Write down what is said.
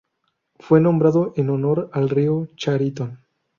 Fue nombrado en honor al río Chariton.